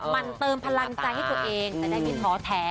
มันเติมพลังใจให้ตัวเองจะได้ไม่ท้อแท้